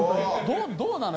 どうなの？